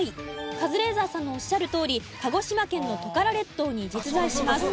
カズレーザーさんのおっしゃるとおり鹿児島県のトカラ列島に実在します。